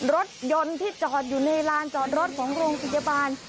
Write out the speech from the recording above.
รถยนต์ที่จอดอยู่ในลานจอดรถของโรงพยาบาล